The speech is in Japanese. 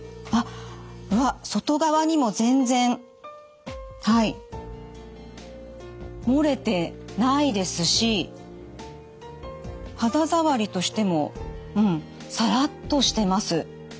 あっわっ外側にも全然はい漏れてないですし肌触りとしてもうんサラッとしてます。